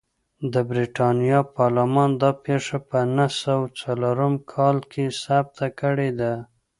د برېټانیا پارلمان دا پېښه په نهه سوه څلورم کال کې ثبت کړې ده.